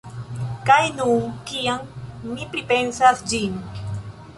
Kaj nun, kiam mi pripensas ĝin.